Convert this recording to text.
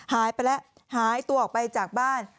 หายไปแล้วหายตัวออกไปจากบ้าน